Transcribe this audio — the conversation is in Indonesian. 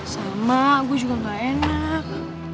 salma gue juga gak enak